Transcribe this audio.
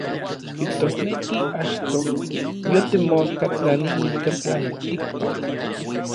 Kijtosneki achtoj yotemoka tlani nikan tlaltikpak.